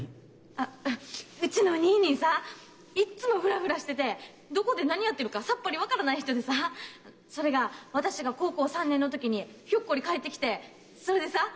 あうちの兄い兄いさいっつもフラフラしててどこで何やってるかさっぱり分からない人でさぁそれが私が高校３年の時にひょっこり帰ってきてそれでさぁ。